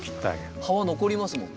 葉は残りますもんね。